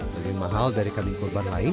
lebih mahal dari kambing korban lain